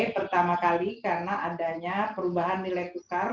karena kita masih mengadopsi nilai tukar